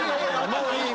もういい。